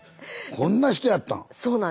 こんな人やったん？